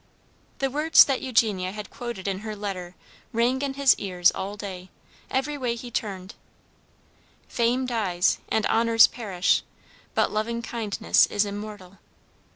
The words that Eugenia had quoted in her letter rang in his ears all day, every way he turned: "_Fame dies and honours perish, but loving kindness is immortal.